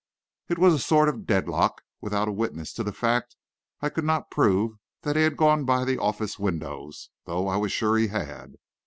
It was a sort of deadlock. Without a witness to the fact, I could not prove that he had gone by the office windows, though I was sure he had.